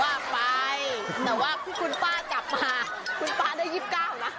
ว่าไปแต่ว่าคุณป้ากลับมาคุณป้าได้๒๙นะอายุคุณป้า๒๙นะ